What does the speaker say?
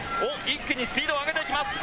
一気にスピードを上げていきます。